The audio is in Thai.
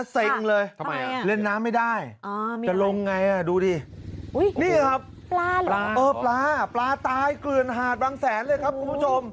เล่นน้ำไม่ได้จะลงไงดูดินี่ครับปลาปลาตายเกลือนหาดบางแสนเลยครับคุณผู้ชม